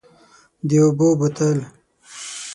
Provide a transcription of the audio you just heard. د اوبو بوتل،